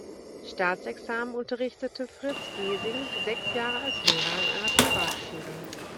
Staatsexamen unterrichtete Fritz Gesing sechs Jahre als Lehrer an einer Privatschule.